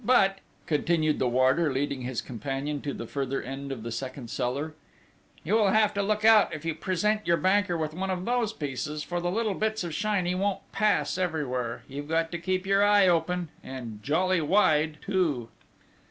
But," continued the warder, leading his companion to the further end of the second cellar, "you will have to look out if you present your banker with one of those pieces, for the little bits of shiny won't pass everywhere you've got to keep your eye open and jolly wide, too!"